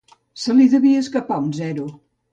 Se li devia escapar un zero.